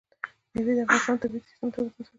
مېوې د افغانستان د طبعي سیسټم توازن ساتي.